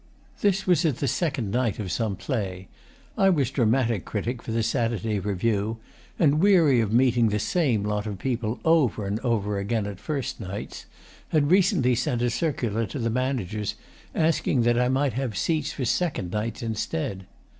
This was at the second night of some play. I was dramatic critic for the Saturday Review, and, weary of meeting the same lot of people over and over again at first nights, had recently sent a circular to the managers asking that I might have seats for second nights instead.